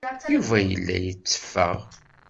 Yuba yella yetteffeɣ.